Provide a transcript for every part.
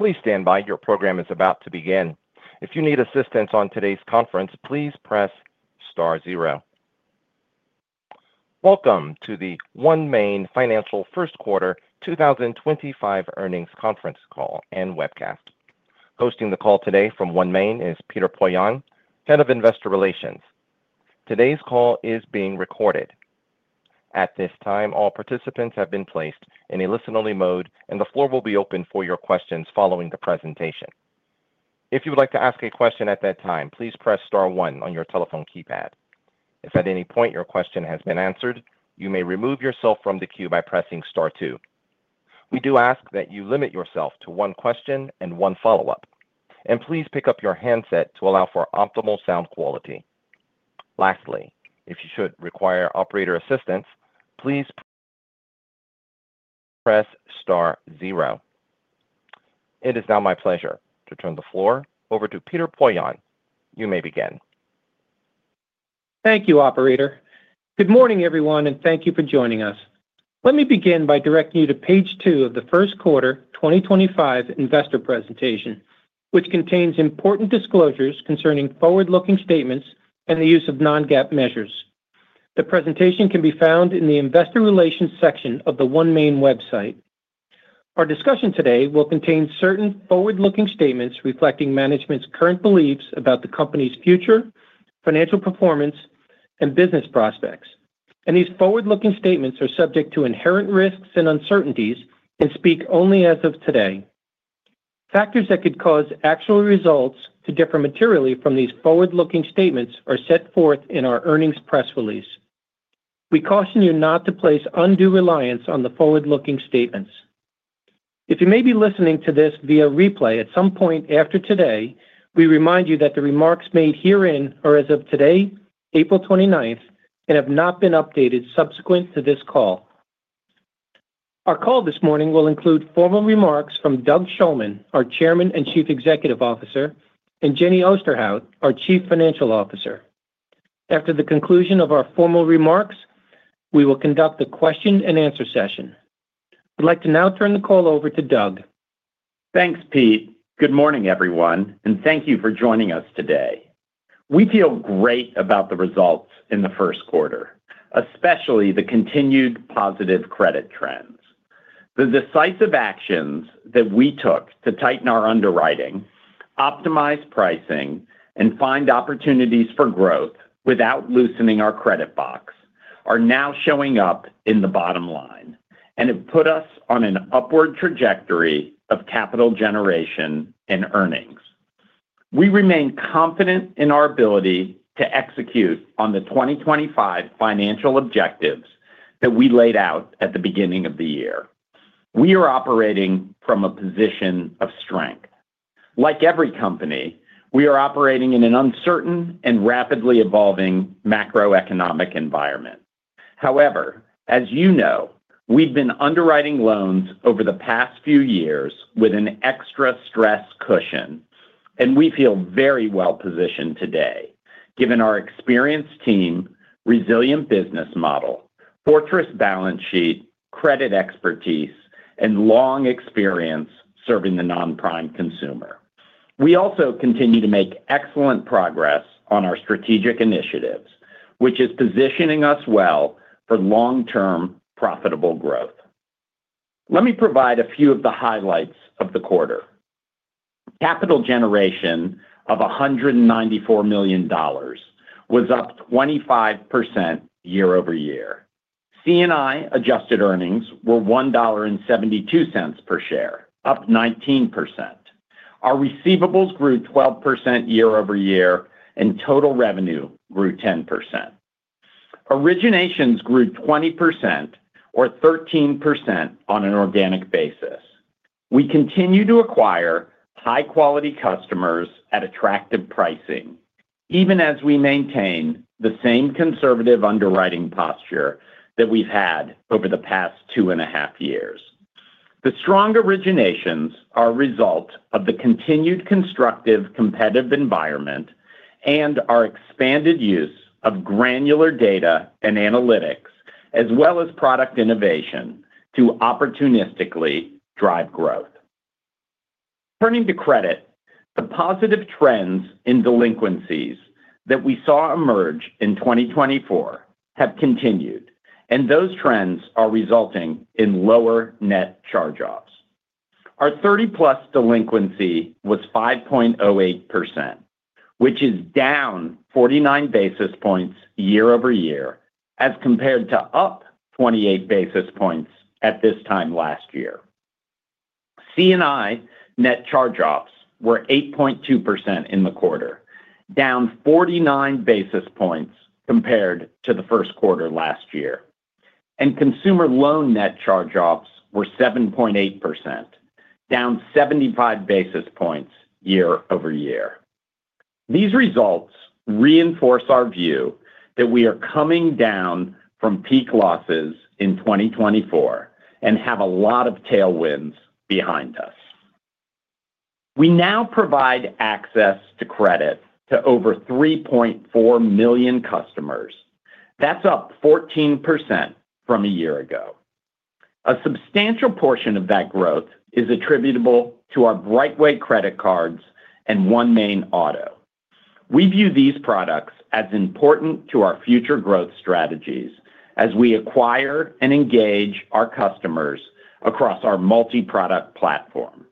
Please stand by, your program is about to begin. If you need assistance on today's conference, please press star zero. Welcome to the OneMain Financial First Quarter 2025 Earnings Conference Call and Webcast. Hosting the call today from OneMain is Peter Poillon, Head of Investor Relations. Today's call is being recorded. At this time, all participants have been placed in a listen-only mode, and the floor will be open for your questions following the presentation. If you would like to ask a question at that time, please press star one on your telephone keypad. If at any point your question has been answered, you may remove yourself from the queue by pressing star two. We do ask that you limit yourself to one question and one follow-up, and please pick up your handset to allow for optimal sound quality. Lastly, if you should require operator assistance, please press star zero. It is now my pleasure to turn the floor over to Peter Poillon. You may begin. Thank you, Operator. Good morning, everyone, and thank you for joining us. Let me begin by directing you to page two of the First Quarter 2025 Investor Presentation, which contains important disclosures concerning forward-looking statements and the use of non-GAAP measures. The presentation can be found in the Investor Relations section of the OneMain website. Our discussion today will contain certain forward-looking statements reflecting management's current beliefs about the company's future, financial performance, and business prospects. These forward-looking statements are subject to inherent risks and uncertainties and speak only as of today. Factors that could cause actual results to differ materially from these forward-looking statements are set forth in our earnings press release. We caution you not to place undue reliance on the forward-looking statements. If you may be listening to this via replay at some point after today, we remind you that the remarks made herein are as of today, April 29th, and have not been updated subsequent to this call. Our call this morning will include formal remarks from Doug Shulman, our Chairman and Chief Executive Officer, and Jenny Osterhout, our Chief Financial Officer. After the conclusion of our formal remarks, we will conduct the question-and-answer session. I'd like to now turn the call over to Doug. Thanks, Pete. Good morning, everyone, and thank you for joining us today. We feel great about the results in the first quarter, especially the continued positive credit trends. The decisive actions that we took to tighten our underwriting, optimize pricing, and find opportunities for growth without loosening our credit box are now showing up in the bottom line, and have put us on an upward trajectory of capital generation and earnings. We remain confident in our ability to execute on the 2025 financial objectives that we laid out at the beginning of the year. We are operating from a position of strength. Like every company, we are operating in an uncertain and rapidly evolving macroeconomic environment. However, as you know, we've been underwriting loans over the past few years with an extra stress cushion, and we feel very well positioned today, given our experienced team, resilient business model, fortress balance sheet, credit expertise, and long experience serving the non-prime consumer. We also continue to make excellent progress on our strategic initiatives, which is positioning us well for long-term profitable growth. Let me provide a few of the highlights of the quarter. Capital generation of $194 million was up 25% year-over-year. C&I adjusted earnings were $1.72 per share, up 19%. Our receivables grew 12% year-over-year, and total revenue grew 10%. Originations grew 20% or 13% on an organic basis. We continue to acquire high-quality customers at attractive pricing, even as we maintain the same conservative underwriting posture that we've had over the past two and a half years. The strong originations are a result of the continued constructive competitive environment and our expanded use of granular data and analytics, as well as product innovation, to opportunistically drive growth. Turning to credit, the positive trends in delinquencies that we saw emerge in 2024 have continued, and those trends are resulting in lower net charge-offs. Our 30-plus delinquency was 5.08%, which is down 49 basis points year-over-year as compared to up 28 basis points at this time last year. C&I net charge-offs were 8.2% in the quarter, down 49 basis points compared to the first quarter last year. Consumer loan net charge-offs were 7.8%, down 75 basis points year-over-year. These results reinforce our view that we are coming down from peak losses in 2024 and have a lot of tailwinds behind us. We now provide access to credit to over 3.4 million customers. That's up 14% from a year ago. A substantial portion of that growth is attributable to our BrightWay credit cards and OneMain auto. We view these products as important to our future growth strategies as we acquire and engage our customers across our multi-product platform.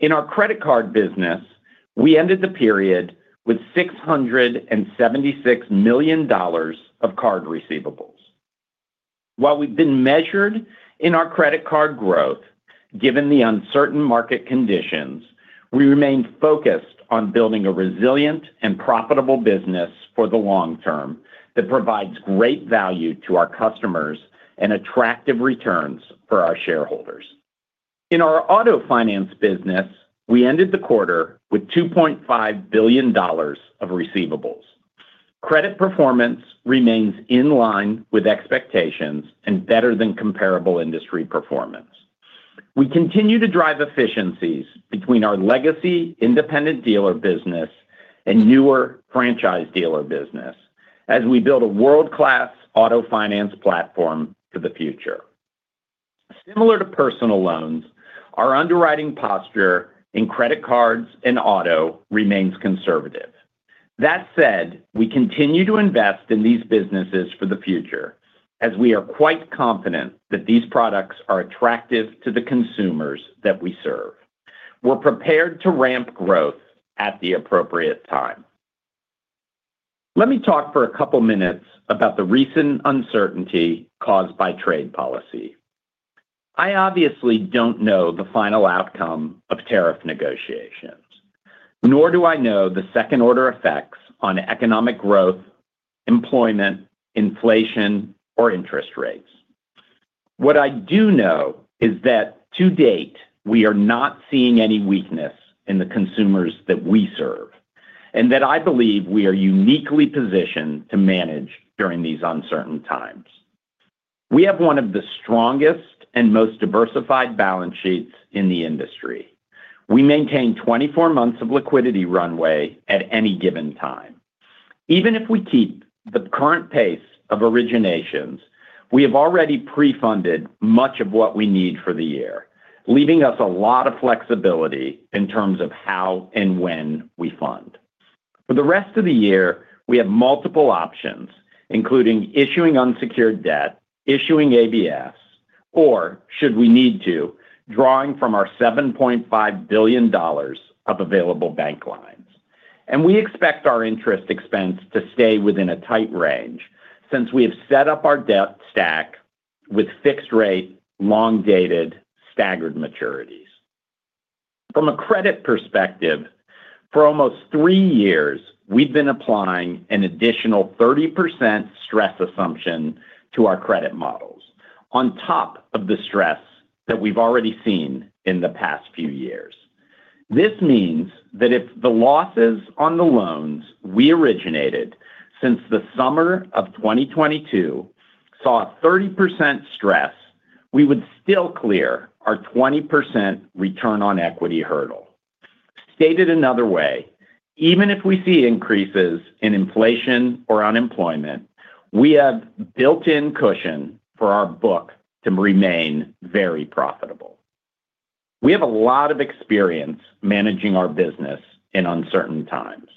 In our credit card business, we ended the period with $676 million of card receivables. While we've been measured in our credit card growth, given the uncertain market conditions, we remain focused on building a resilient and profitable business for the long term that provides great value to our customers and attractive returns for our shareholders. In our auto finance business, we ended the quarter with $2.5 billion of receivables. Credit performance remains in line with expectations and better than comparable industry performance. We continue to drive efficiencies between our legacy independent dealer business and newer franchise dealer business as we build a world-class auto finance platform for the future. Similar to personal loans, our underwriting posture in credit cards and auto remains conservative. That said, we continue to invest in these businesses for the future as we are quite confident that these products are attractive to the consumers that we serve. We're prepared to ramp growth at the appropriate time. Let me talk for a couple of minutes about the recent uncertainty caused by trade policy. I obviously don't know the final outcome of tariff negotiations, nor do I know the second-order effects on economic growth, employment, inflation, or interest rates. What I do know is that to date, we are not seeing any weakness in the consumers that we serve and that I believe we are uniquely positioned to manage during these uncertain times. We have one of the strongest and most diversified balance sheets in the industry. We maintain 24 months of liquidity runway at any given time. Even if we keep the current pace of originations, we have already pre-funded much of what we need for the year, leaving us a lot of flexibility in terms of how and when we fund. For the rest of the year, we have multiple options, including issuing unsecured debt, issuing ABFs, or, should we need to, drawing from our $7.5 billion of available bank lines. We expect our interest expense to stay within a tight range since we have set up our debt stack with fixed rate, long-dated, staggered maturities. From a credit perspective, for almost three years, we've been applying an additional 30% stress assumption to our credit models on top of the stress that we've already seen in the past few years. This means that if the losses on the loans we originated since the summer of 2022 saw 30% stress, we would still clear our 20% return on equity hurdle. Stated another way, even if we see increases in inflation or unemployment, we have built-in cushion for our book to remain very profitable. We have a lot of experience managing our business in uncertain times.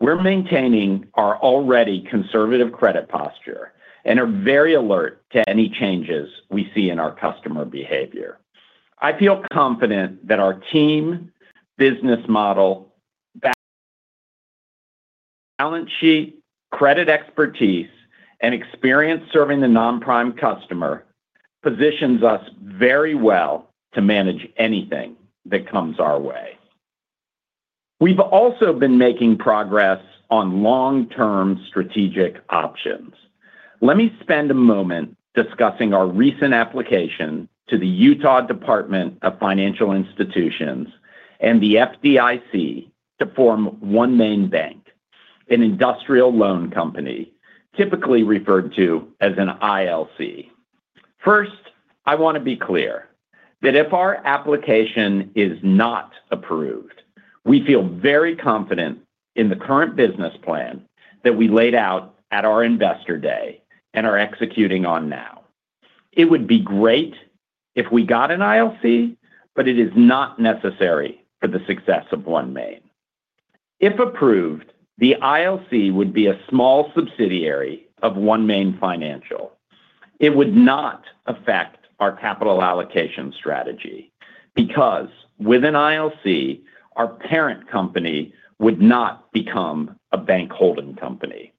We're maintaining our already conservative credit posture and are very alert to any changes we see in our customer behavior. I feel confident that our team, business model, balance sheet, credit expertise, and experience serving the non-prime customer positions us very well to manage anything that comes our way. We've also been making progress on long-term strategic options. Let me spend a moment discussing our recent application to the Utah Department of Financial Institutions and the FDIC to form OneMain Bank, an industrial loan company typically referred to as an ILC. First, I want to be clear that if our application is not approved, we feel very confident in the current business plan that we laid out at our Investor Day and are executing on now. It would be great if we got an ILC, but it is not necessary for the success of OneMain. If approved, the ILC would be a small subsidiary of OneMain Financial. It would not affect our capital allocation strategy because with an ILC, our parent company would not become a bank holding company.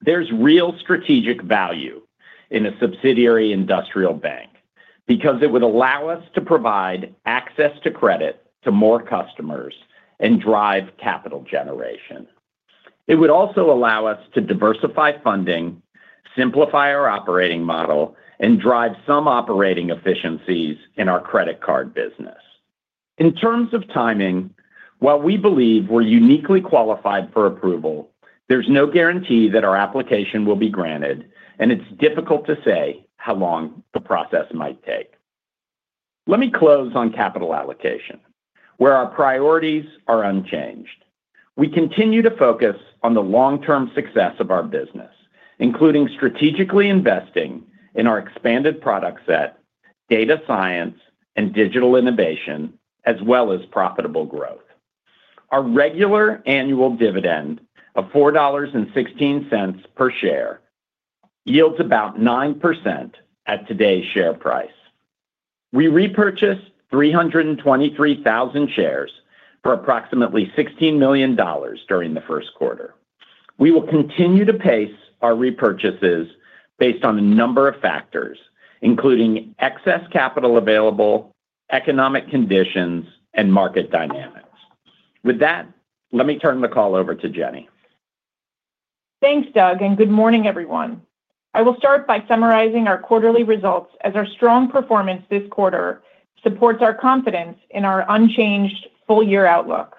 There's real strategic value in a subsidiary industrial bank because it would allow us to provide access to credit to more customers and drive capital generation. It would also allow us to diversify funding, simplify our operating model, and drive some operating efficiencies in our credit card business. In terms of timing, while we believe we're uniquely qualified for approval, there's no guarantee that our application will be granted, and it's difficult to say how long the process might take. Let me close on capital allocation, where our priorities are unchanged. We continue to focus on the long-term success of our business, including strategically investing in our expanded product set, data science, and digital innovation, as well as profitable growth. Our regular annual dividend of $4.16 per share yields about 9% at today's share price. We repurchased 323,000 shares for approximately $16 million during the first quarter. We will continue to pace our repurchases based on a number of factors, including excess capital available, economic conditions, and market dynamics. With that, let me turn the call over to Jenny. Thanks, Doug, and good morning, everyone. I will start by summarizing our quarterly results as our strong performance this quarter supports our confidence in our unchanged full-year outlook.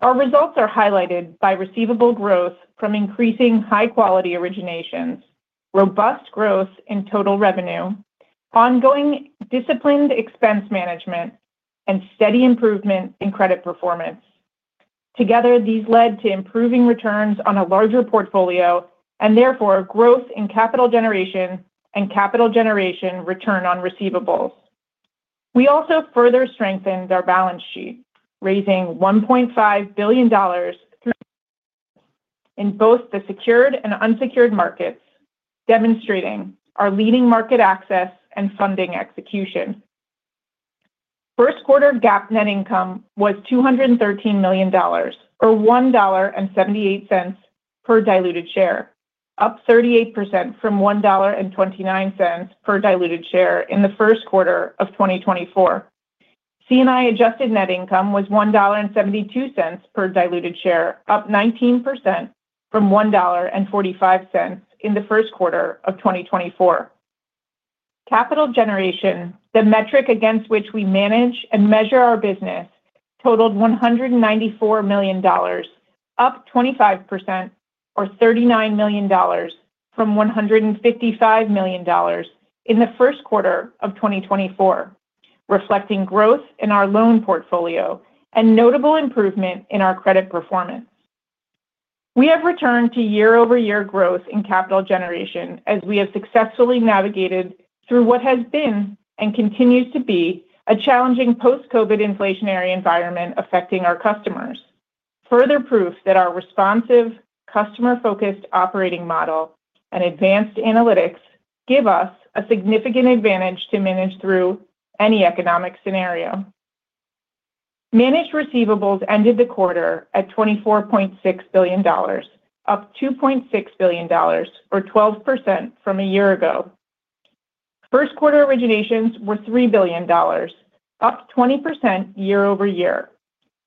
Our results are highlighted by receivable growth from increasing high-quality originations, robust growth in total revenue, ongoing disciplined expense management, and steady improvement in credit performance. Together, these led to improving returns on a larger portfolio and therefore growth in capital generation and capital generation return on receivables. We also further strengthened our balance sheet, raising $1.5 billion in both the secured and unsecured markets, demonstrating our leading market access and funding execution. First quarter GAAP net income was $213 million, or $1.78 per diluted share, up 38% from $1.29 per diluted share in the first quarter of 2024. C&I adjusted net income was $1.72 per diluted share, up 19% from $1.45 in the first quarter of 2024. Capital generation, the metric against which we manage and measure our business, totaled $194 million, up 25%, or $39 million from $155 million in the first quarter of 2024, reflecting growth in our loan portfolio and notable improvement in our credit performance. We have returned to year-over-year growth in capital generation as we have successfully navigated through what has been and continues to be a challenging post-COVID inflationary environment affecting our customers, further proof that our responsive, customer-focused operating model and advanced analytics give us a significant advantage to manage through any economic scenario. Managed receivables ended the quarter at $24.6 billion, up $2.6 billion, or 12% from a year ago. First quarter originations were $3 billion, up 20% year-over-year.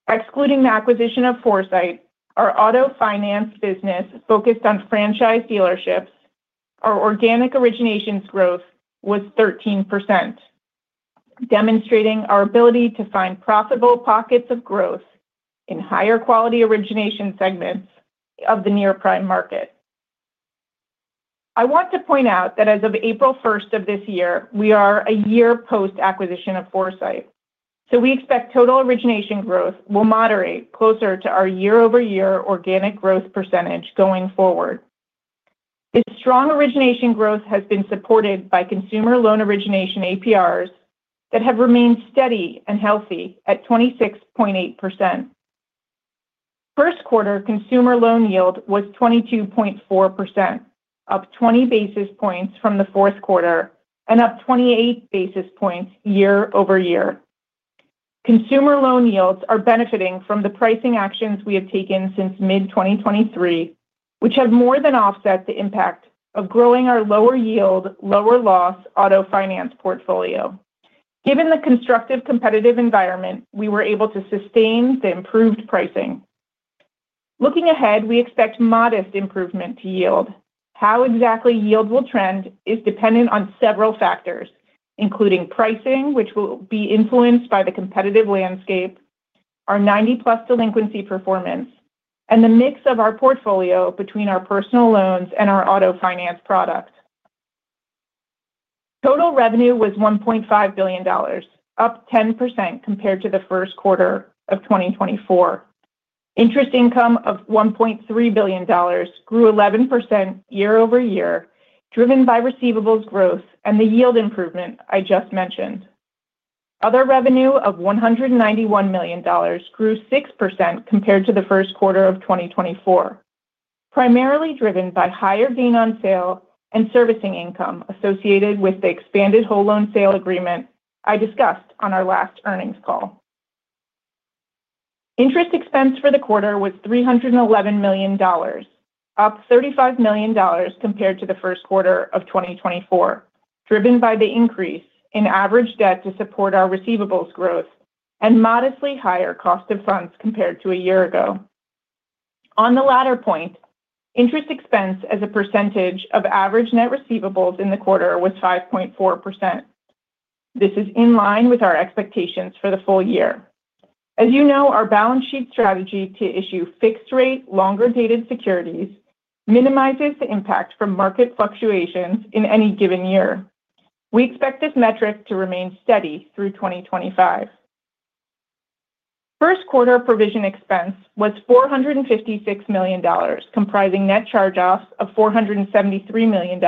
Excluding the acquisition of Foursight, our auto finance business focused on franchise dealerships, our organic originations growth was 13%, demonstrating our ability to find profitable pockets of growth in higher quality origination segments of the near prime market. I want to point out that as of April 1st of this year, we are a year post-acquisition of Foursight. We expect total origination growth will moderate closer to our year-over-year organic growth percentage going forward. This strong origination growth has been supported by consumer loan origination APRs that have remained steady and healthy at 26.8%. First quarter consumer loan yield was 22.4%, up 20 basis points from the fourth quarter and up 28 basis points year-over-year. Consumer loan yields are benefiting from the pricing actions we have taken since mid-2023, which have more than offset the impact of growing our lower yield, lower loss auto finance portfolio. Given the constructive competitive environment, we were able to sustain the improved pricing. Looking ahead, we expect modest improvement to yield. How exactly yield will trend is dependent on several factors, including pricing, which will be influenced by the competitive landscape, our 90-plus delinquency performance, and the mix of our portfolio between our personal loans and our auto finance product. Total revenue was $1.5 billion, up 10% compared to the first quarter of 2024. Interest income of $1.3 billion grew 11% year-over-year, driven by receivables growth and the yield improvement I just mentioned. Other revenue of $191 million grew 6% compared to the first quarter of 2024, primarily driven by higher gain on sale and servicing income associated with the expanded whole loan sale agreement I discussed on our last earnings call. Interest expense for the quarter was $311 million, up $35 million compared to the first quarter of 2024, driven by the increase in average debt to support our receivables growth and modestly higher cost of funds compared to a year ago. On the latter point, interest expense as a percentage of average net receivables in the quarter was 5.4%. This is in line with our expectations for the full year. As you know, our balance sheet strategy to issue fixed rate, longer dated securities minimizes the impact from market fluctuations in any given year. We expect this metric to remain steady through 2025. First quarter provision expense was $456 million, comprising net charge-offs of $473 million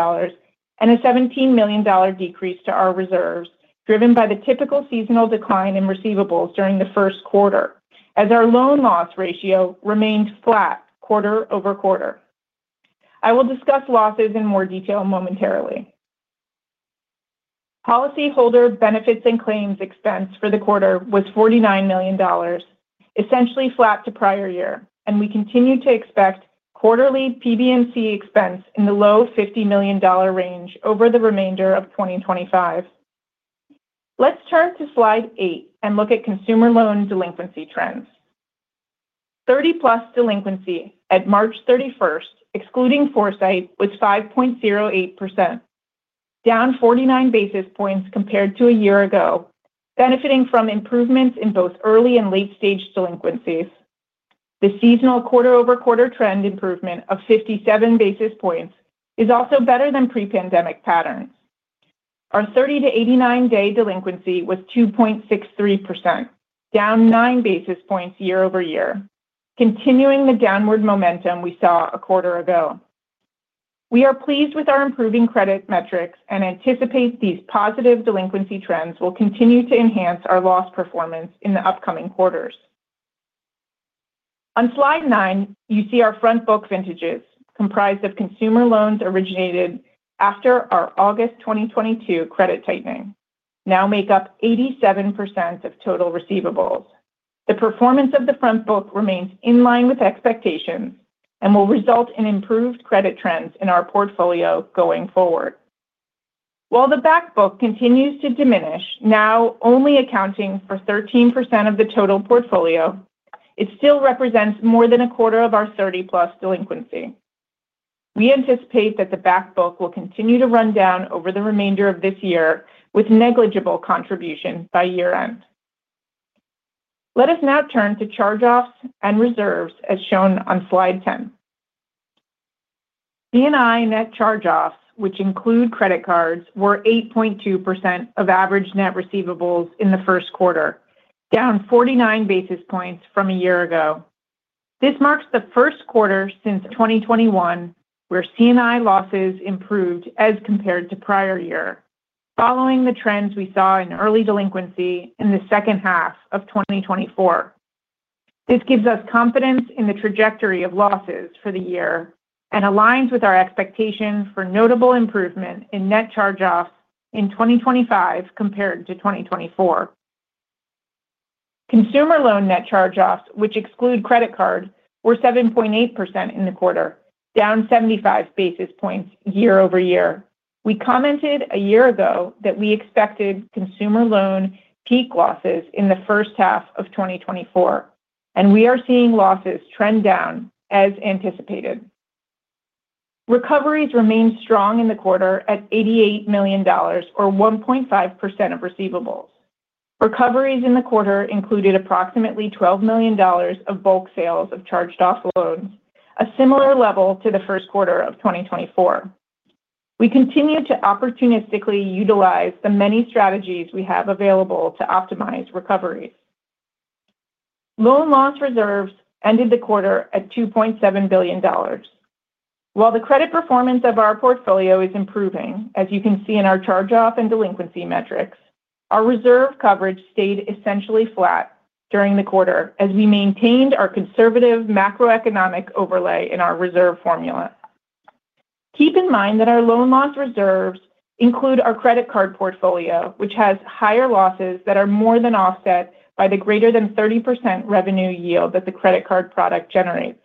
and a $17 million decrease to our reserves, driven by the typical seasonal decline in receivables during the first quarter, as our loan loss ratio remained flat quarter over quarter. I will discuss losses in more detail momentarily. Policyholder benefits and claims expense for the quarter was $49 million, essentially flat to prior year, and we continue to expect quarterly PB&C expense in the low $50 million range over the remainder of 2025. Let's turn to slide eight and look at consumer loan delinquency trends. 30+ delinquency at March 31st, excluding Foursight, was 5.08%, down 49 basis points compared to a year ago, benefiting from improvements in both early and late-stage delinquencies. The seasonal quarter-over-quarter trend improvement of 57 basis points is also better than pre-pandemic patterns. Our 30 to 89-day delinquency was 2.63%, down 9 basis points year-over-year, continuing the downward momentum we saw a quarter ago. We are pleased with our improving credit metrics and anticipate these positive delinquency trends will continue to enhance our loss performance in the upcoming quarters. On slide nine, you see our front book vintages, comprised of consumer loans originated after our August 2022 credit tightening, now make up 87% of total receivables. The performance of the front book remains in line with expectations and will result in improved credit trends in our portfolio going forward. While the back book continues to diminish, now only accounting for 13% of the total portfolio, it still represents more than a quarter of our 30+ delinquency. We anticipate that the back book will continue to run down over the remainder of this year with negligible contribution by year end. Let us now turn to charge-offs and reserves as shown on slide 10. C&I net charge-offs, which include credit cards, were 8.2% of average net receivables in the first quarter, down 49 basis points from a year ago. This marks the first quarter since 2021 where C&I losses improved as compared to prior year, following the trends we saw in early delinquency in the second half of 2024. This gives us confidence in the trajectory of losses for the year and aligns with our expectation for notable improvement in net charge-offs in 2025 compared to 2024. Consumer loan net charge-offs, which exclude credit card, were 7.8% in the quarter, down 75 basis points year-over-year. We commented a year ago that we expected consumer loan peak losses in the first half of 2024, and we are seeing losses trend down as anticipated. Recoveries remained strong in the quarter at $88 million, or 1.5% of receivables. Recoveries in the quarter included approximately $12 million of bulk sales of charged-off loans, a similar level to the first quarter of 2024. We continue to opportunistically utilize the many strategies we have available to optimize recoveries. Loan loss reserves ended the quarter at $2.7 billion. While the credit performance of our portfolio is improving, as you can see in our charge-off and delinquency metrics, our reserve coverage stayed essentially flat during the quarter as we maintained our conservative macroeconomic overlay in our reserve formula. Keep in mind that our loan loss reserves include our credit card portfolio, which has higher losses that are more than offset by the greater than 30% revenue yield that the credit card product generates.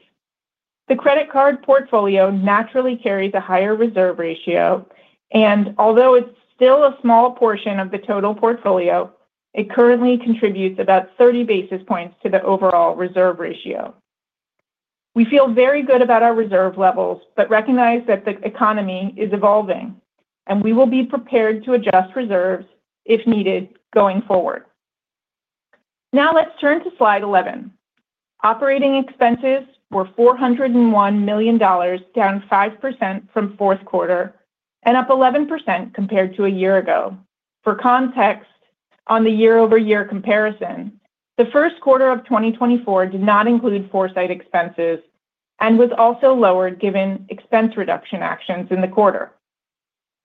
The credit card portfolio naturally carries a higher reserve ratio, and although it is still a small portion of the total portfolio, it currently contributes about 30 basis points to the overall reserve ratio. We feel very good about our reserve levels, but recognize that the economy is evolving, and we will be prepared to adjust reserves if needed going forward. Now let's turn to slide 11. Operating expenses were $401 million, down 5% from fourth quarter and up 11% compared to a year ago. For context, on the year-over-year comparison, the first quarter of 2024 did not include Foursight expenses and was also lowered given expense reduction actions in the quarter.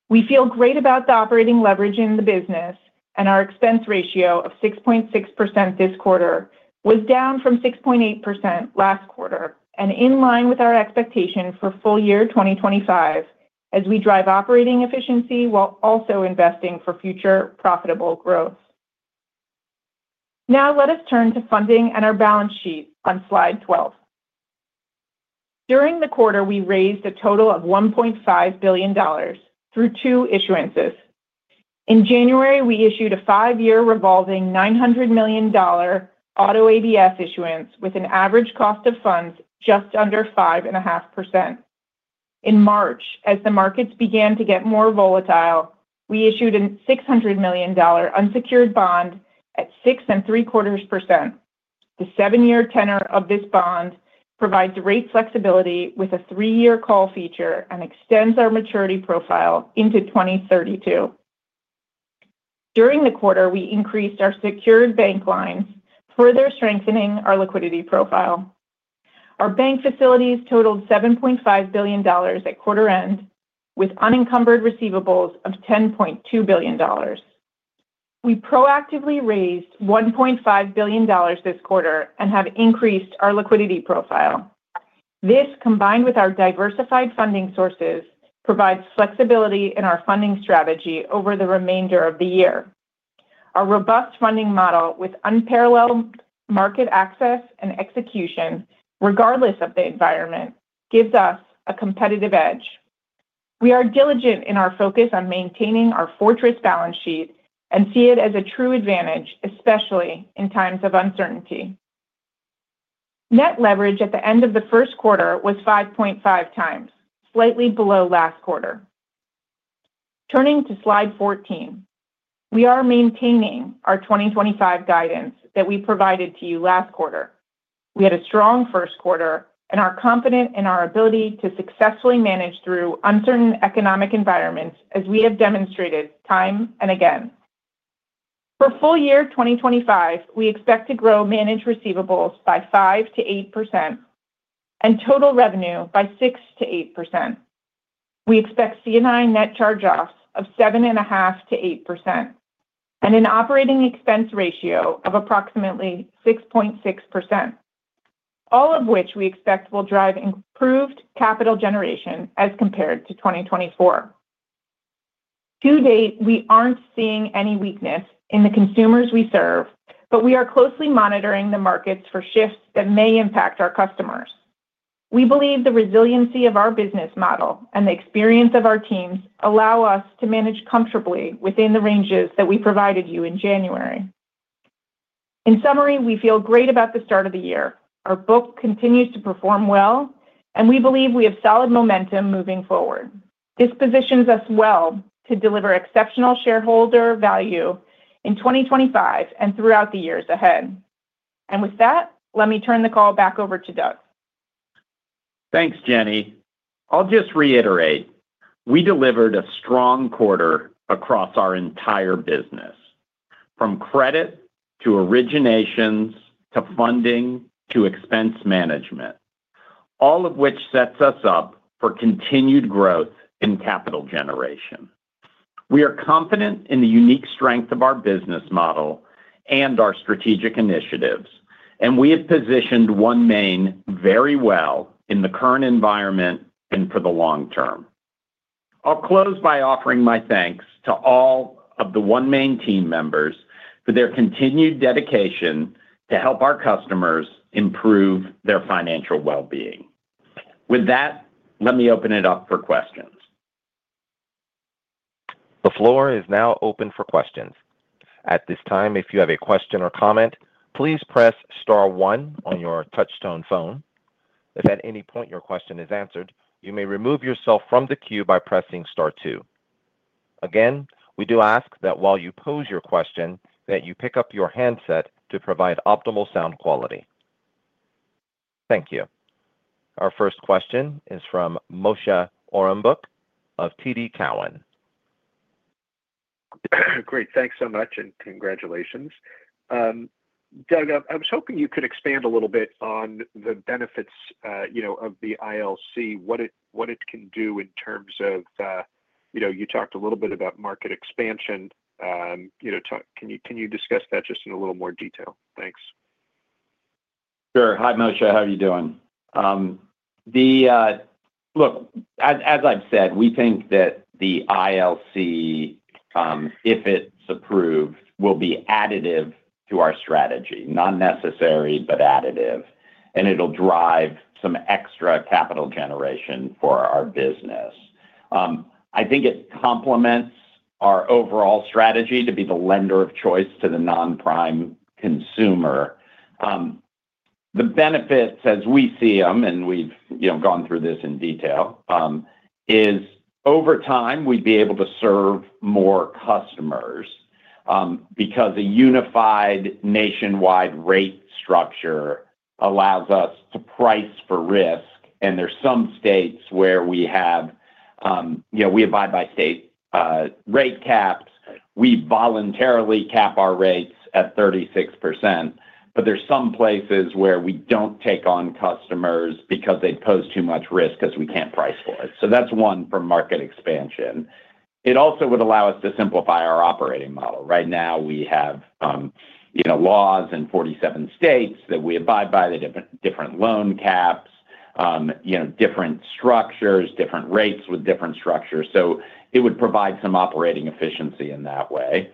We feel great about the operating leverage in the business, and our expense ratio of 6.6% this quarter was down from 6.8% last quarter and in line with our expectation for full year 2025 as we drive operating efficiency while also investing for future profitable growth. Now let us turn to funding and our balance sheet on slide 12. During the quarter, we raised a total of $1.5 billion through two issuances. In January, we issued a five-year revolving $900 million auto ABF issuance with an average cost of funds just under 5.5%. In March, as the markets began to get more volatile, we issued a $600 million unsecured bond at 6.75%. The seven-year tenor of this bond provides rate flexibility with a three-year call feature and extends our maturity profile into 2032. During the quarter, we increased our secured bank lines, further strengthening our liquidity profile. Our bank facilities totaled $7.5 billion at quarter end, with unencumbered receivables of $10.2 billion. We proactively raised $1.5 billion this quarter and have increased our liquidity profile. This, combined with our diversified funding sources, provides flexibility in our funding strategy over the remainder of the year. Our robust funding model with unparalleled market access and execution, regardless of the environment, gives us a competitive edge. We are diligent in our focus on maintaining our fortress balance sheet and see it as a true advantage, especially in times of uncertainty. Net leverage at the end of the first quarter was 5.5x, slightly below last quarter. Turning to slide 14, we are maintaining our 2025 guidance that we provided to you last quarter. We had a strong first quarter and are confident in our ability to successfully manage through uncertain economic environments, as we have demonstrated time and again. For full year 2025, we expect to grow managed receivables by 5%-8% and total revenue by 6%-8%. We expect C&I net charge-offs of 7.5%-8% and an operating expense ratio of approximately 6.6%, all of which we expect will drive improved capital generation as compared to 2024. To date, we aren't seeing any weakness in the consumers we serve, but we are closely monitoring the markets for shifts that may impact our customers. We believe the resiliency of our business model and the experience of our teams allow us to manage comfortably within the ranges that we provided you in January. In summary, we feel great about the start of the year. Our book continues to perform well, and we believe we have solid momentum moving forward. This positions us well to deliver exceptional shareholder value in 2025 and throughout the years ahead. With that, let me turn the call back over to Doug. Thanks, Jenny. I'll just reiterate. We delivered a strong quarter across our entire business, from credit to originations to funding to expense management, all of which sets us up for continued growth in capital generation. We are confident in the unique strength of our business model and our strategic initiatives, and we have positioned OneMain very well in the current environment and for the long term. I'll close by offering my thanks to all of the OneMain team members for their continued dedication to help our customers improve their financial well-being. With that, let me open it up for questions. The floor is now open for questions. At this time, if you have a question or comment, please press star one on your touch-tone phone. If at any point your question is answered, you may remove yourself from the queue by pressing star two. Again, we do ask that while you pose your question, that you pick up your handset to provide optimal sound quality. Thank you. Our first question is from Moshe Orenbuch of TD Cowan. Great. Thanks so much and congratulations. Doug, I was hoping you could expand a little bit on the benefits of the ILC, what it can do in terms of you talked a little bit about market expansion. Can you discuss that just in a little more detail? Thanks. Sure. Hi, Moshe. How are you doing? Look, as I've said, we think that the ILC, if it's approved, will be additive to our strategy, not necessary, but additive, and it'll drive some extra capital generation for our business. I think it complements our overall strategy to be the lender of choice to the non-prime consumer. The benefits, as we see them, and we've gone through this in detail, is over time we'd be able to serve more customers because a unified nationwide rate structure allows us to price for risk, and there are some states where we have we abide by state rate caps. We voluntarily cap our rates at 36%, but there are some places where we do not take on customers because they pose too much risk because we cannot price for it. That is one for market expansion. It also would allow us to simplify our operating model. Right now, we have laws in 47 states that we abide by, the different loan caps, different structures, different rates with different structures. It would provide some operating efficiency in that way.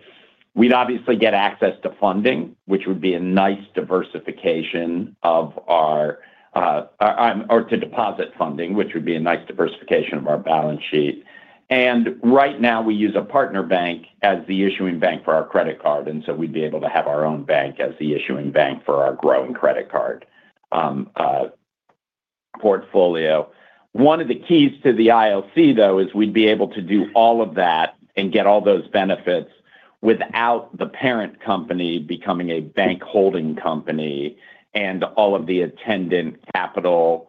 We would obviously get access to funding, which would be a nice diversification of our, or to deposit funding, which would be a nice diversification of our balance sheet. Right now, we use a partner bank as the issuing bank for our credit card, and we would be able to have our own bank as the issuing bank for our growing credit card portfolio. One of the keys to the ILC, though, is we'd be able to do all of that and get all those benefits without the parent company becoming a bank holding company and all of the attendant capital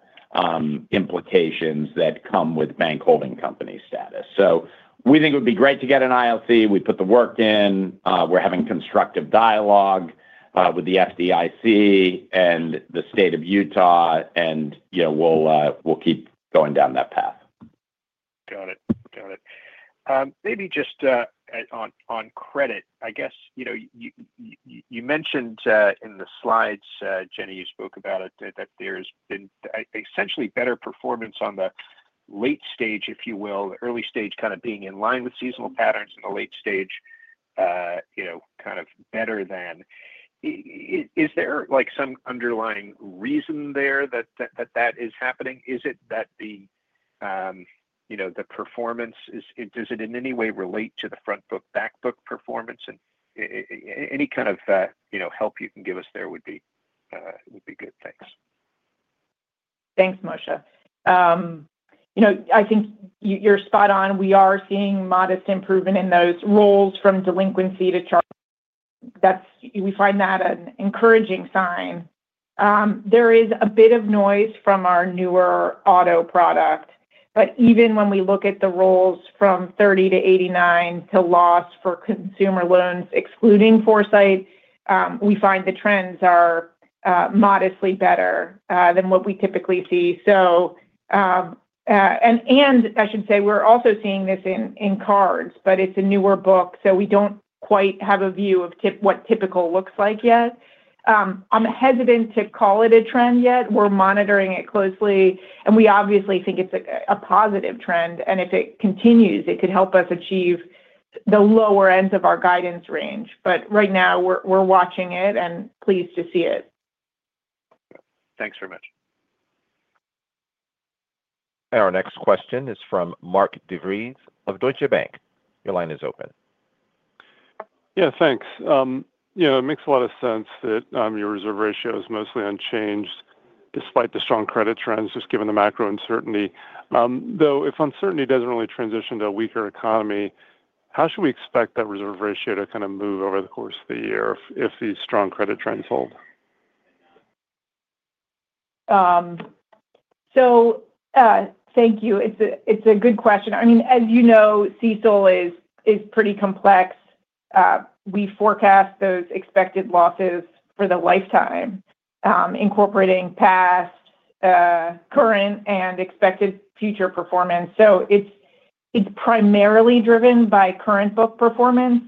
implications that come with bank holding company status. We think it would be great to get an ILC. We put the work in. We're having constructive dialogue with the FDIC and the state of Utah, and we'll keep going down that path. Got it. Got it. Maybe just on credit, I guess you mentioned in the slides, Jenny, you spoke about it, that there has been essentially better performance on the late stage, if you will, the early stage kind of being in line with seasonal patterns and the late stage kind of better than. Is there some underlying reason there that that is happening? Is it that the performance is, does it in any way relate to the front book, back book performance? Any kind of help you can give us there would be good. Thanks. Thanks, Moshe. I think you're spot on. We are seeing modest improvement in those roles from delinquency to charge. We find that an encouraging sign. There is a bit of noise from our newer auto product, but even when we look at the roles from 30-89 to loss for consumer loans, excluding Foursight, we find the trends are modestly better than what we typically see. I should say we're also seeing this in cards, but it's a newer book, so we don't quite have a view of what typical looks like yet. I'm hesitant to call it a trend yet. We're monitoring it closely, and we obviously think it's a positive trend, and if it continues, it could help us achieve the lower ends of our guidance range. Right now, we're watching it and pleased to see it. Thanks very much. Our next question is from Mark DeVries of Deutsche Bank. Your line is open. Yeah, thanks. It makes a lot of sense that your reserve ratio is mostly unchanged despite the strong credit trends, just given the macro uncertainty. Though if uncertainty doesn't really transition to a weaker economy, how should we expect that reserve ratio to kind of move over the course of the year if these strong credit trends hold? Thank you. It's a good question. I mean, as you know, CECL is pretty complex. We forecast those expected losses for the lifetime, incorporating past, current, and expected future performance. It is primarily driven by current book performance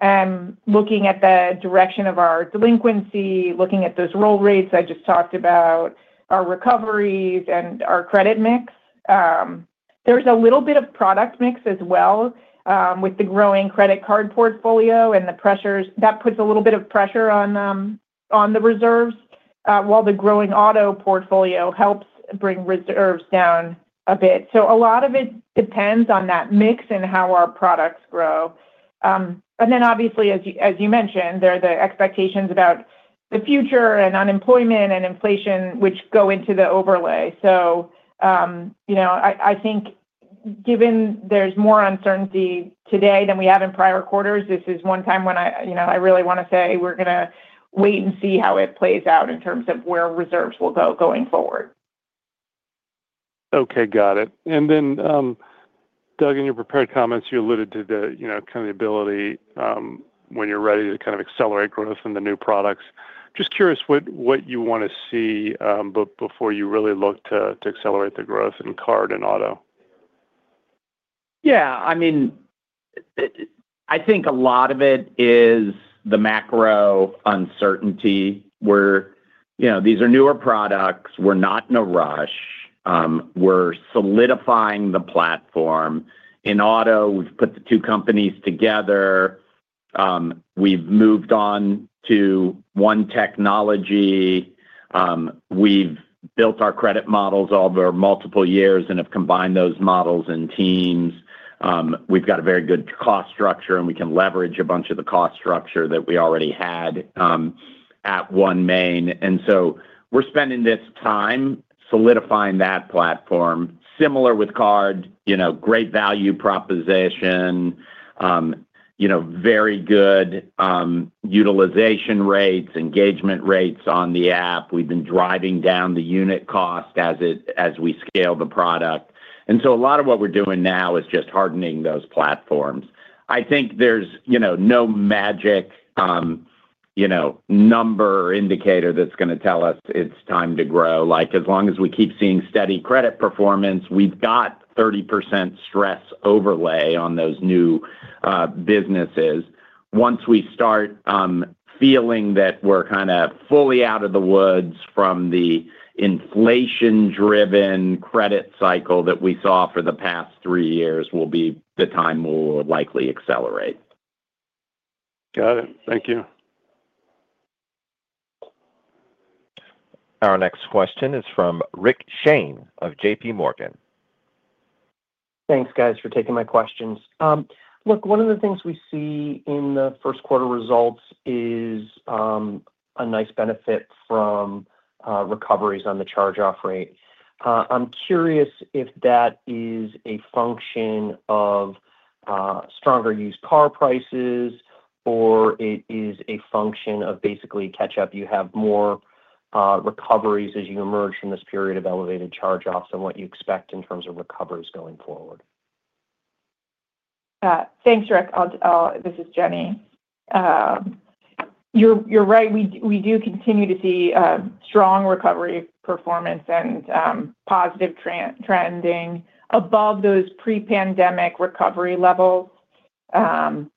and looking at the direction of our delinquency, looking at those roll rates I just talked about, our recoveries, and our credit mix. There is a little bit of product mix as well with the growing credit card portfolio and the pressures. That puts a little bit of pressure on the reserves, while the growing auto portfolio helps bring reserves down a bit. A lot of it depends on that mix and how our products grow. Obviously, as you mentioned, there are the expectations about the future and unemployment and inflation, which go into the overlay. I think given there is more uncertainty today than we have in prior quarters, this is one time when I really want to say we are going to wait and see how it plays out in terms of where reserves will go going forward. Okay, got it. Doug, in your prepared comments, you alluded to kind of the ability when you're ready to kind of accelerate growth in the new products. Just curious what you want to see before you really look to accelerate the growth in card and auto. Yeah. I mean, I think a lot of it is the macro uncertainty where these are newer products. We're not in a rush. We're solidifying the platform. In auto, we've put the two companies together. We've moved on to one technology. We've built our credit models over multiple years and have combined those models and teams. We've got a very good cost structure, and we can leverage a bunch of the cost structure that we already had at OneMain. We're spending this time solidifying that platform. Similar with card, great value proposition, very good utilization rates, engagement rates on the app. We have been driving down the unit cost as we scale the product. A lot of what we are doing now is just hardening those platforms. I think there is no magic number or indicator that is going to tell us it is time to grow. As long as we keep seeing steady credit performance, we have got 30% stress overlay on those new businesses. Once we start feeling that we are kind of fully out of the woods from the inflation-driven credit cycle that we saw for the past three years, will be the time we will likely accelerate. Got it. Thank you. Our next question is from Rick Shane of JPMorgan. Thanks, guys, for taking my questions. Look, one of the things we see in the first quarter results is a nice benefit from recoveries on the charge-off rate. I'm curious if that is a function of stronger used car prices or it is a function of basically catch-up. You have more recoveries as you emerge from this period of elevated charge-offs and what you expect in terms of recoveries going forward. Thanks, Rick. This is Jenny. You're right. We do continue to see strong recovery performance and positive trending. Above those pre-pandemic recovery levels,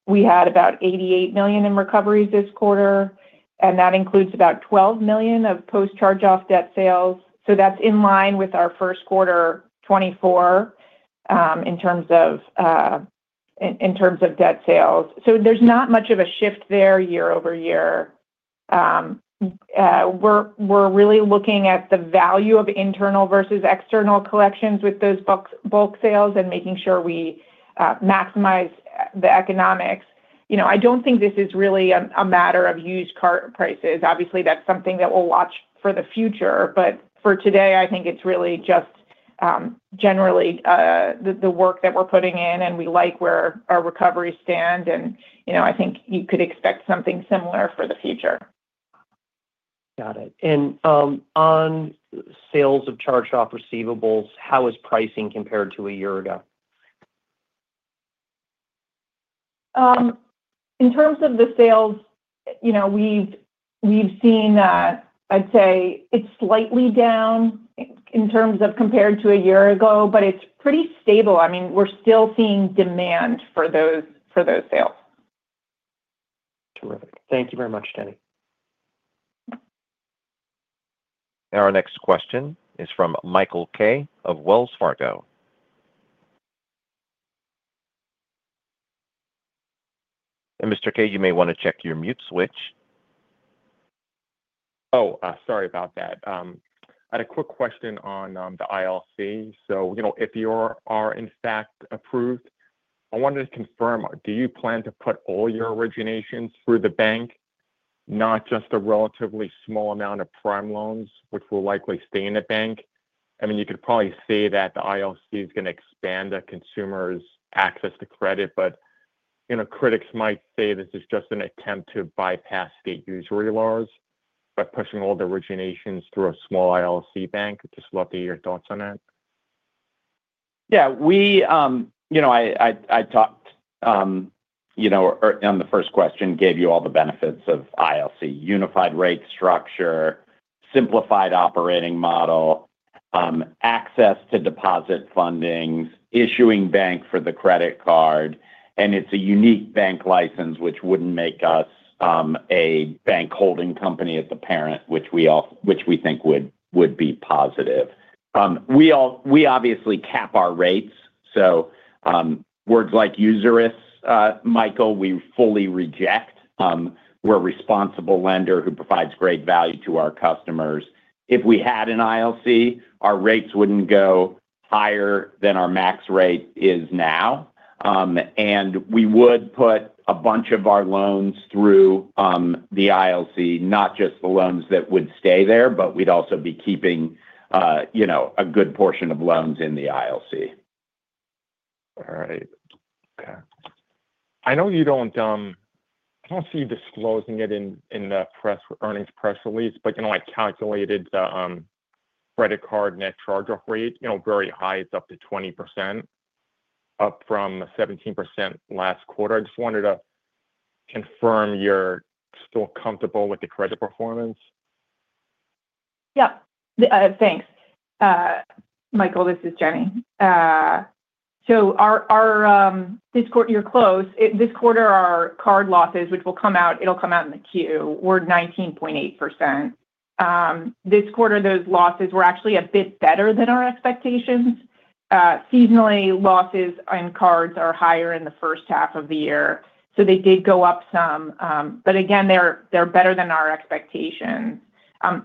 we had about $88 million in recoveries this quarter, and that includes about $12 million of post-charge-off debt sales. That is in line with our first quarter 2024 in terms of debt sales. There is not much of a shift there year-over-year. We're really looking at the value of internal versus external collections with those bulk sales and making sure we maximize the economics. I don't think this is really a matter of used car prices. Obviously, that's something that we'll watch for the future, but for today, I think it's really just generally the work that we're putting in, and we like where our recoveries stand, and I think you could expect something similar for the future. Got it. On sales of charge-off receivables, how is pricing compared to a year ago? In terms of the sales, I'd say it's slightly down compared to a year ago, but it's pretty stable. I mean, we're still seeing demand for those sales. Terrific. Thank you very much, Jenny. Our next question is from Michael Kaye of Wells Fargo. Mr. Kaye, you may want to check your mute switch. Oh, sorry about that. I had a quick question on the ILC. If you are, in fact, approved, I wanted to confirm, do you plan to put all your originations through the bank, not just a relatively small amount of prime loans, which will likely stay in the bank? I mean, you could probably say that the ILC is going to expand consumers' access to credit, but critics might say this is just an attempt to bypass state usury laws by pushing all the originations through a small ILC bank. Just love to hear your thoughts on that. Yeah. I talked on the first question, gave you all the benefits of ILC, unified rate structure, simplified operating model, access to deposit fundings, issuing bank for the credit card, and it's a unique bank license, which wouldn't make us a bank holding company as the parent, which we think would be positive. We obviously cap our rates. Words like usurious, Michael, we fully reject. We're a responsible lender who provides great value to our customers. If we had an ILC, our rates wouldn't go higher than our max rate is now. We would put a bunch of our loans through the ILC, not just the loans that would stay there, but we'd also be keeping a good portion of loans in the ILC. All right. Okay. I know you do not see disclosing it in the earnings press release, but I calculated the credit card net charge-off rate very high. It is up to 20%, up from 17% last quarter. I just wanted to confirm you are still comfortable with the credit performance. Yep. Thanks. Michael, this is Jenny. This quarter, you are closed. This quarter, our card losses, which will come out, it will come out in the Q, were 19.8%. This quarter, those losses were actually a bit better than our expectations. Seasonally, losses on cards are higher in the first half of the year. They did go up some. Again, they are better than our expectations.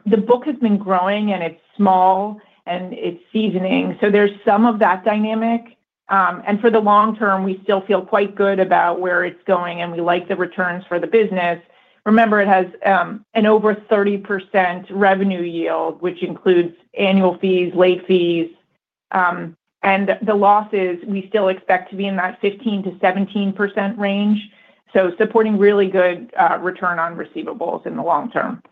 The book has been growing, and it is small, and it is seasoning. There is some of that dynamic. For the long term, we still feel quite good about where it is going, and we like the returns for the business. Remember, it has an over 30% revenue yield, which includes annual fees, late fees. The losses, we still expect to be in that 15%-17% range. Supporting really good return on receivables in the long term.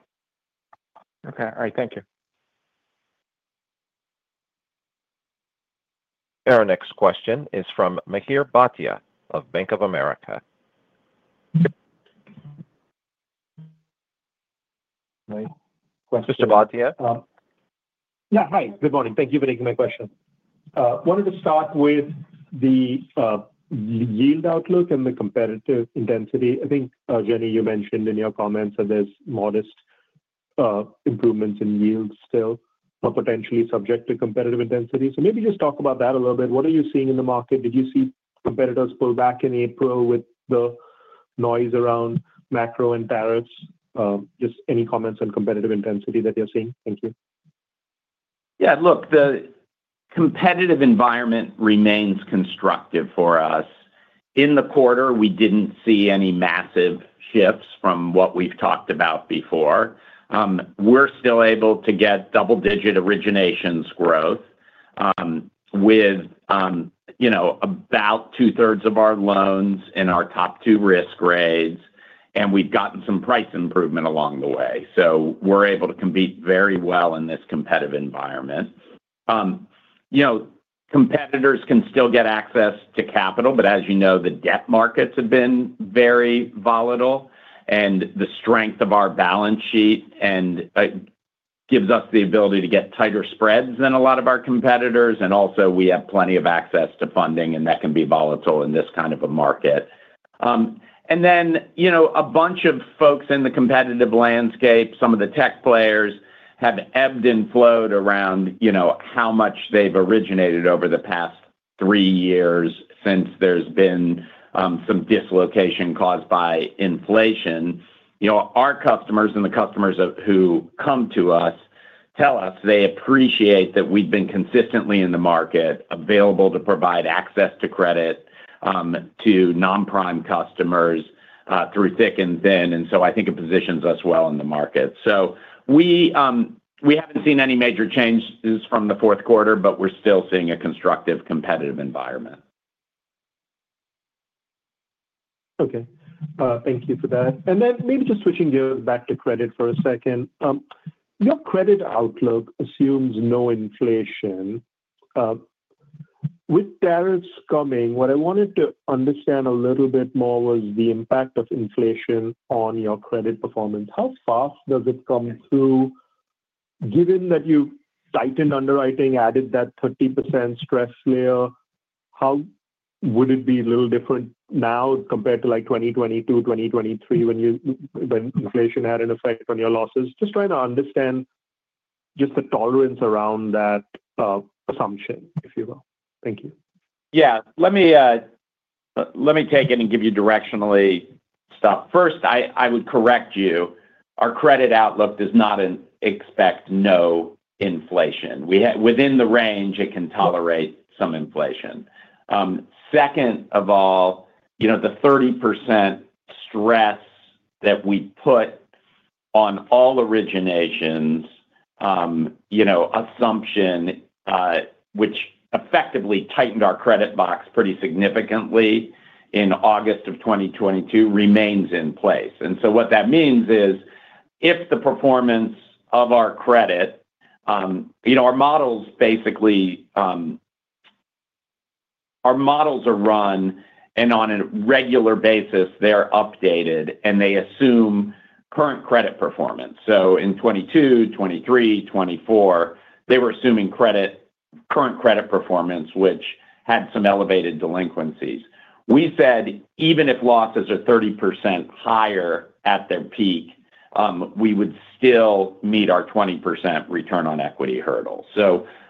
Okay. All right. Thank you. Our next question is from Mihir Bhatia of Bank of America. Mr. Bhatia? Yeah. Hi. Good morning. Thank you for taking my question. Wanted to start with the yield outlook and the competitive intensity. I think, Jenny, you mentioned in your comments that there is modest improvement in yields still, but potentially subject to competitive intensity. Maybe just talk about that a little bit. What are you seeing in the market? Did you see competitors pull back in April with the noise around macro and tariffs? Any comments on competitive intensity that you are seeing? Thank you. Yeah. Look, the competitive environment remains constructive for us. In the quarter, we did not see any massive shifts from what we have talked about before. We are still able to get double-digit originations growth with about 2/3 of our loans in our top two risk grades, and we have gotten some price improvement along the way. We are able to compete very well in this competitive environment. Competitors can still get access to capital, but as you know, the debt markets have been very volatile, and the strength of our balance sheet gives us the ability to get tighter spreads than a lot of our competitors. We have plenty of access to funding, and that can be volatile in this kind of a market. A bunch of folks in the competitive landscape, some of the tech players, have ebbed and flowed around how much they've originated over the past three years since there's been some dislocation caused by inflation. Our customers and the customers who come to us tell us they appreciate that we've been consistently in the market, available to provide access to credit to non-prime customers through thick and thin. I think it positions us well in the market. We haven't seen any major changes from the fourth quarter, but we're still seeing a constructive competitive environment. Thank you for that. Maybe just switching gears back to credit for a second. Your credit outlook assumes no inflation. With tariffs coming, what I wanted to understand a little bit more was the impact of inflation on your credit performance. How fast does it come through? Given that you tightened underwriting, added that 30% stress layer, how would it be a little different now compared to 2022, 2023 when inflation had an effect on your losses? Just trying to understand just the tolerance around that assumption, if you will. Thank you. Yeah. Let me take it and give you directionally stuff. First, I would correct you. Our credit outlook does not expect no inflation. Within the range, it can tolerate some inflation. Second of all, the 30% stress that we put on all originations, assumption, which effectively tightened our credit box pretty significantly in August of 2022, remains in place. What that means is if the performance of our credit, our models basically, our models are run, and on a regular basis, they're updated, and they assume current credit performance. In 2022, 2023, 2024, they were assuming current credit performance, which had some elevated delinquencies. We said even if losses are 30% higher at their peak, we would still meet our 20% return on equity hurdle.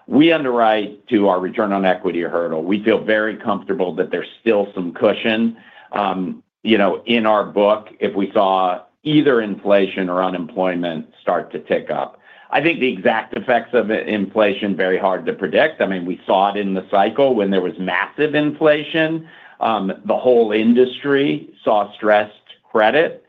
We underwrite to our return on equity hurdle. We feel very comfortable that there is still some cushion in our book if we saw either inflation or unemployment start to tick up. I think the exact effects of inflation are very hard to predict. I mean, we saw it in the cycle when there was massive inflation. The whole industry saw stressed credit.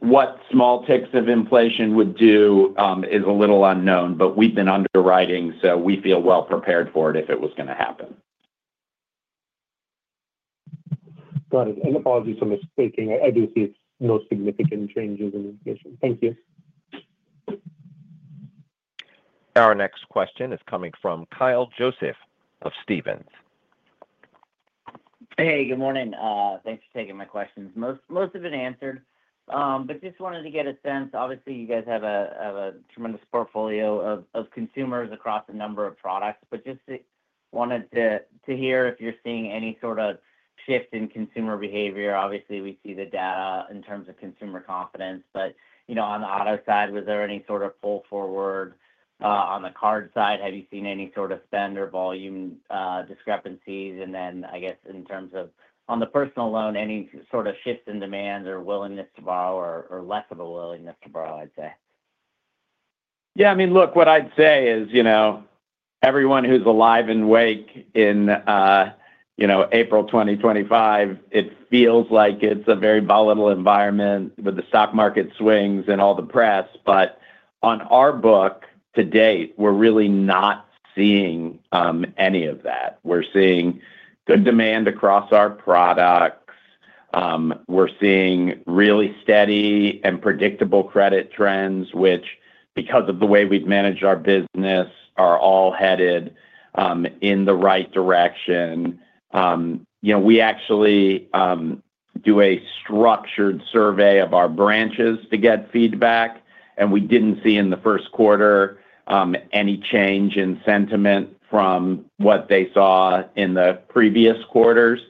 What small ticks of inflation would do is a little unknown, but we have been underwriting, so we feel well prepared for it if it was going to happen. Got it. Apologies for misspeaking. I do see no significant changes in inflation. Thank you. Our next question is coming from Kyle Joseph of Stephens. Hey, good morning. Thanks for taking my questions. Most of it answered, but just wanted to get a sense. Obviously, you guys have a tremendous portfolio of consumers across a number of products, but just wanted to hear if you're seeing any sort of shift in consumer behavior. Obviously, we see the data in terms of consumer confidence, but on the auto side, was there any sort of pull forward? On the card side, have you seen any sort of spend or volume discrepancies? I guess in terms of on the personal loan, any sort of shift in demand or willingness to borrow or less of a willingness to borrow, I'd say? Yeah. I mean, look, what I'd say is everyone who's alive and awake in April 2025, it feels like it's a very volatile environment with the stock market swings and all the press. On our book to date, we're really not seeing any of that. We're seeing good demand across our products. We're seeing really steady and predictable credit trends, which, because of the way we've managed our business, are all headed in the right direction. We actually do a structured survey of our branches to get feedback, and we didn't see in the first quarter any change in sentiment from what they saw in the previous quarters.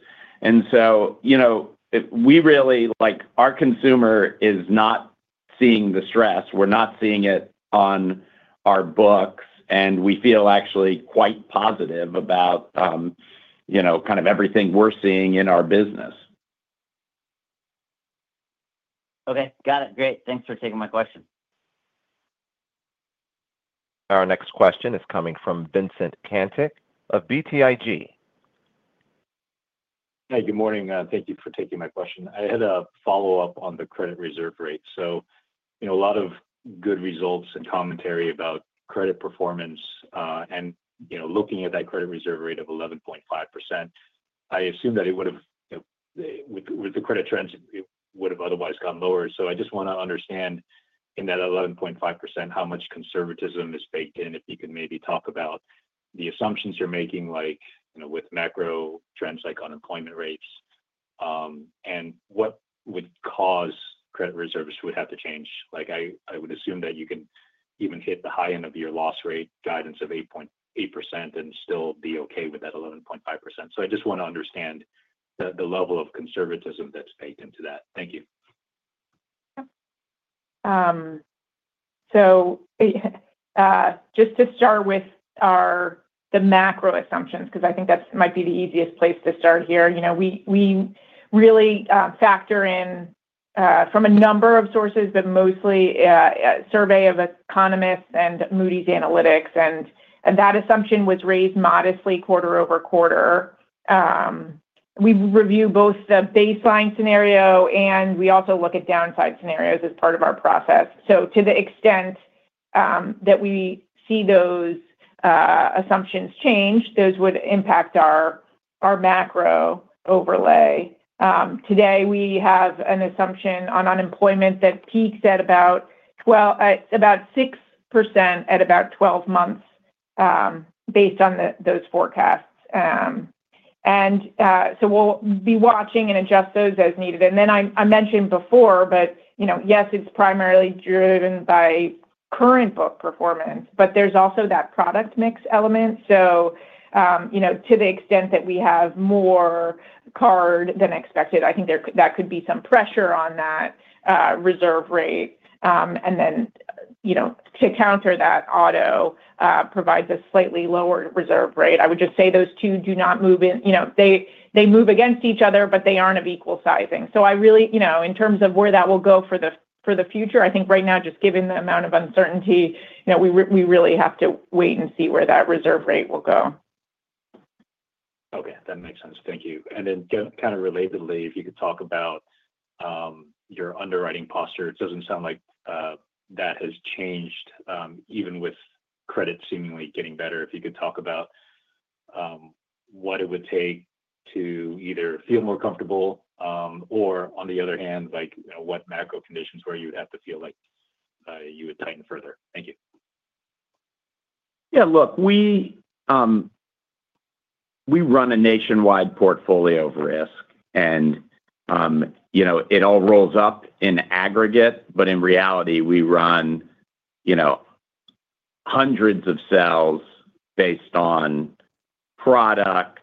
We really like our consumer is not seeing the stress. We're not seeing it on our books, and we feel actually quite positive about kind of everything we're seeing in our business. Okay. Got it. Great. Thanks for taking my question. Our next question is coming from Vincent Caintic of BTIG. Hi. Good morning. Thank you for taking my question. I had a follow-up on the credit reserve rate. A lot of good results and commentary about credit performance and looking at that credit reserve rate of 11.5%. I assume that it would have, with the credit trends, it would have otherwise gone lower. I just want to understand in that 11.5% how much conservatism is baked in, if you could maybe talk about the assumptions you're making with macro trends like unemployment rates and what would cause credit reserves would have to change. I would assume that you can even hit the high end of your loss rate guidance of 8.8% and still be okay with that 11.5%. I just want to understand the level of conservatism that's baked into that. Thank you. Just to start with the macro assumptions, because I think that might be the easiest place to start here, we really factor in from a number of sources, but mostly a survey of economists and Moody's Analytics. That assumption was raised modestly quarter-over-quarter. We review both the baseline scenario, and we also look at downside scenarios as part of our process. To the extent that we see those assumptions change, those would impact our macro overlay. Today, we have an assumption on unemployment that peaks at about 6% at about 12 months based on those forecasts. We will be watching and adjust those as needed. I mentioned before, but yes, it's primarily driven by current book performance, but there's also that product mix element. To the extent that we have more card than expected, I think that could be some pressure on that reserve rate. To counter that, auto provides a slightly lower reserve rate. I would just say those two do not move in. They move against each other, but they are not of equal sizing. I really, in terms of where that will go for the future, I think right now, just given the amount of uncertainty, we really have to wait and see where that reserve rate will go. Okay. That makes sense. Thank you. Kind of relatedly, if you could talk about your underwriting posture. It does not sound like that has changed even with credit seemingly getting better. If you could talk about what it would take to either feel more comfortable or, on the other hand, what macro conditions where you would have to feel like you would tighten further. Thank you. Yeah. Look, we run a nationwide portfolio of risk, and it all rolls up in aggregate, but in reality, we run hundreds of cells based on product,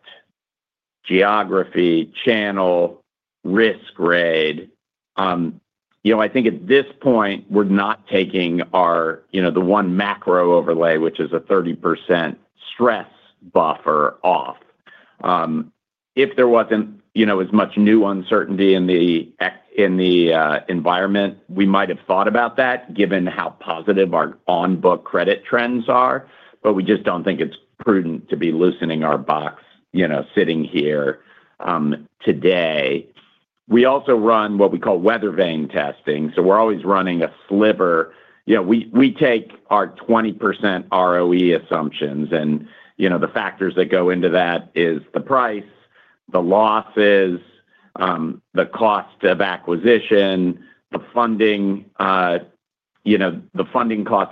geography, channel, risk grade. I think at this point, we're not taking the one macro overlay, which is a 30% stress buffer off. If there wasn't as much new uncertainty in the environment, we might have thought about that given how positive our on-book credit trends are, but we just don't think it's prudent to be loosening our box sitting here today. We also run what we call weather vane testing. So we're always running a sliver. We take our 20% ROE assumptions, and the factors that go into that are the price, the losses, the cost of acquisition, the funding cost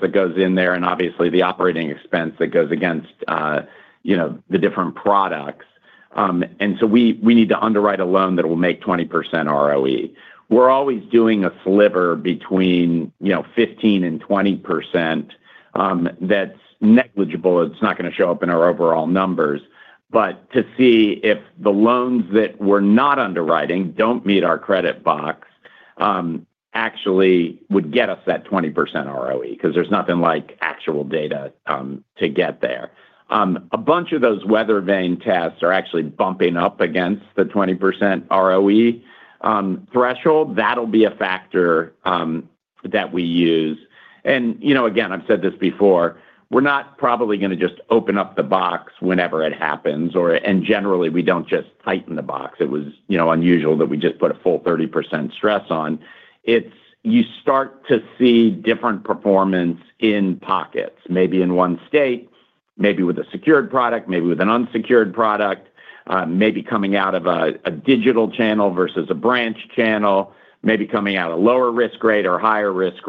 that goes in there, and obviously the operating expense that goes against the different products. We need to underwrite a loan that will make 20% ROE. We're always doing a sliver between 15% and 20% that's negligible. It's not going to show up in our overall numbers, but to see if the loans that we're not underwriting don't meet our credit box actually would get us that 20% ROE because there's nothing like actual data to get there. A bunch of those weather vane tests are actually bumping up against the 20% ROE threshold. That'll be a factor that we use. I've said this before, we're not probably going to just open up the box whenever it happens, and generally, we don't just tighten the box. It was unusual that we just put a full 30% stress on. You start to see different performance in pockets, maybe in one state, maybe with a secured product, maybe with an unsecured product, maybe coming out of a digital channel versus a branch channel, maybe coming out of lower risk grade or higher risk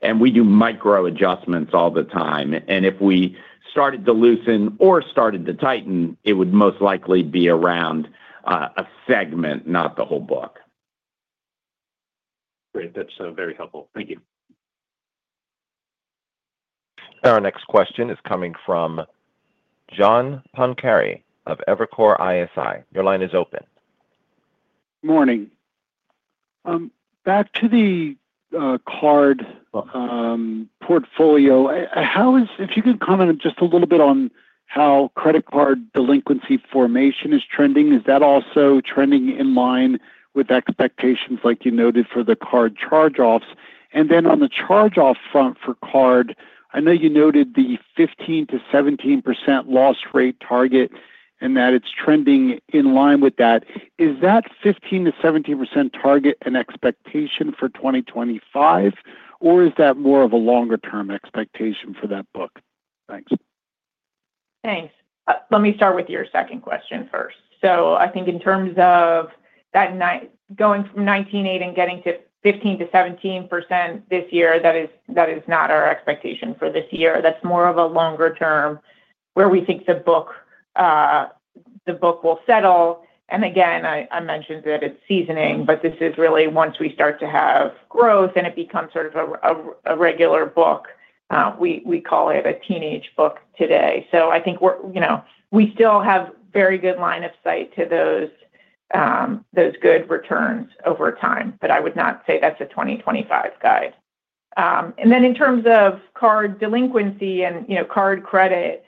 grade. We do micro adjustments all the time. If we started to loosen or started to tighten, it would most likely be around a segment, not the whole book. Great. That's very helpful. Thank you. Our next question is coming from John Pancari of Evercore ISI. Your line is open. Morning. Back to the card portfolio. If you could comment just a little bit on how credit card delinquency formation is trending, is that also trending in line with expectations like you noted for the card charge-offs? And then on the charge-off front for card, I know you noted the 15%-17% loss rate target and that it's trending in line with that. Is that 15%-17% target an expectation for 2025, or is that more of a longer-term expectation for that book? Thanks. Thanks. Let me start with your second question first. I think in terms of going from 19.8% and getting to 15%-17% this year, that is not our expectation for this year. That's more of a longer term where we think the book will settle. I mentioned that it's seasoning, but this is really once we start to have growth and it becomes sort of a regular book, we call it a teenage book today. I think we still have very good line of sight to those good returns over time, but I would not say that's a 2025 guide. In terms of card delinquency and card credit,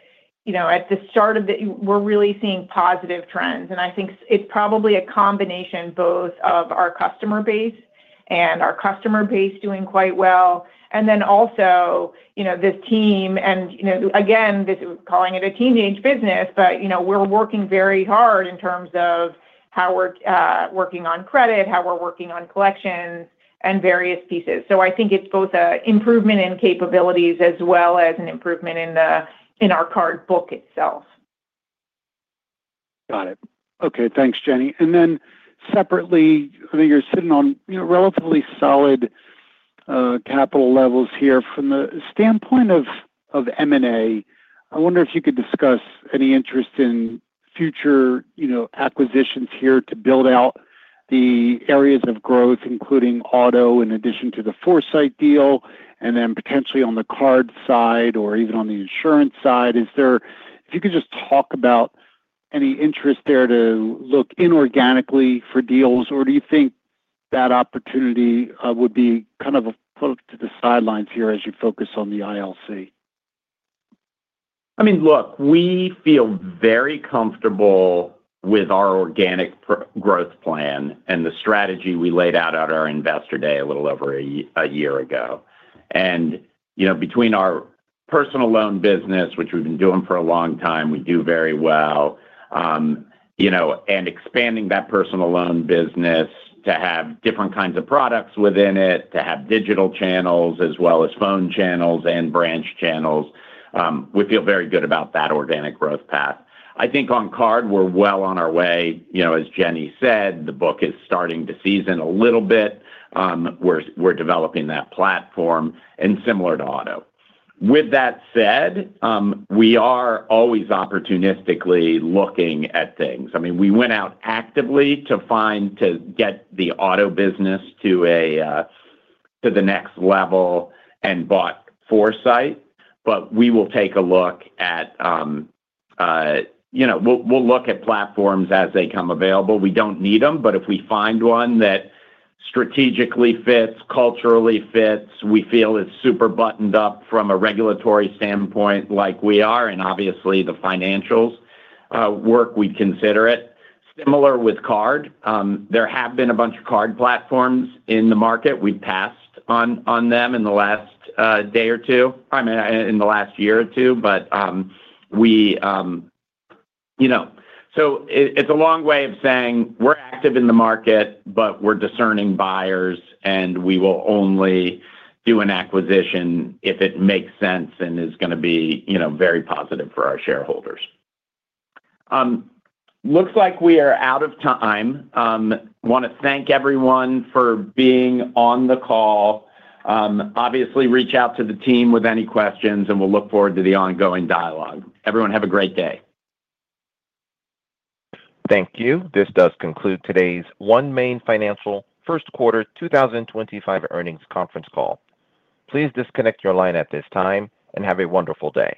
at the start of the year we are really seeing positive trends. I think it's probably a combination both of our customer base and our customer base doing quite well. Also this team, calling it a teenage business, but we are working very hard in terms of how we are working on credit, how we are working on collections, and various pieces. I think it's both an improvement in capabilities as well as an improvement in our card book itself. Got it. Okay. Thanks, Jenny. Then separately, I mean, you're sitting on relatively solid capital levels here. From the standpoint of M&A, I wonder if you could discuss any interest in future acquisitions here to build out the areas of growth, including auto in addition to the Foursight deal, and then potentially on the card side or even on the insurance side. If you could just talk about any interest there to look inorganically for deals, or do you think that opportunity would be kind of put to the sidelines here as you focus on the ILC? I mean, look, we feel very comfortable with our organic growth plan and the strategy we laid out at our investor day a little over a year ago. Between our personal loan business, which we've been doing for a long time, we do very well, and expanding that personal loan business to have different kinds of products within it, to have digital channels as well as phone channels and branch channels, we feel very good about that organic growth path. I think on card, we're well on our way. As Jenny said, the book is starting to season a little bit. We're developing that platform and similar to auto. With that said, we are always opportunistically looking at things. I mean, we went out actively to get the auto business to the next level and bought Foursight, but we will take a look at we'll look at platforms as they come available. We do not need them, but if we find one that strategically fits, culturally fits, we feel it is super buttoned up from a regulatory standpoint like we are, and obviously the financials work, we would consider it. Similar with card. There have been a bunch of card platforms in the market. We have passed on them in the last day or two, in the last year or two, but we, so it is a long way of saying we are active in the market, but we are discerning buyers, and we will only do an acquisition if it makes sense and is going to be very positive for our shareholders. Looks like we are out of time. I want to thank everyone for being on the call. Obviously, reach out to the team with any questions, and we will look forward to the ongoing dialogue. Everyone, have a great day. Thank you. This does conclude today's OneMain Financial First Quarter 2025 Earnings Conference Call. Please disconnect your line at this time and have a wonderful day.